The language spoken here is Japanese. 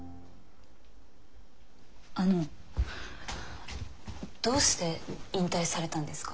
あのどうして引退されたんですか？